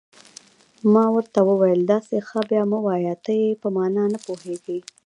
ما ورته وویل: داسې څه بیا مه وایه، ته یې په معنا نه پوهېږې.